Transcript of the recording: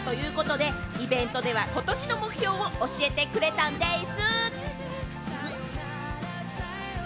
新年度が始まったということで、イベントでは今年の目標を教えてくれたんでぃす。